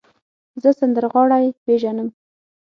زه سندرغاړی پیژنم.